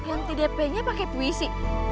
anti dpnya pake puisi